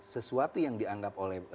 sesuatu yang dianggap oleh